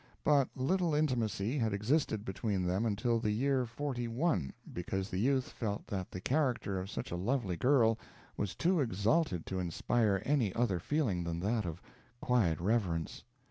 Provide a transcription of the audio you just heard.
But little intimacy had existed between them until the year forty one because the youth felt that the character of such a lovely girl was too exalted to inspire any other feeling than that of quiet reverence.